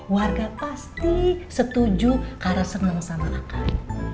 warga pasti setuju karena senang sama akan